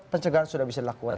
pencegahan sudah bisa dilakukan